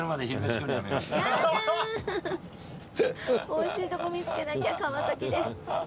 おいしいとこ見つけなきゃ川崎で。